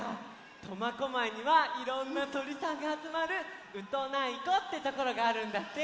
苫小牧にはいろんなとりさんがあつまる「ウトナイこ」ってところがあるんだって。